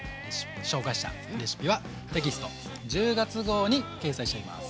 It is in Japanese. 紹介したレシピはテキスト１０月号に掲載しています。